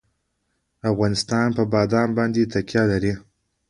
افغانستان په بادام باندې تکیه لري.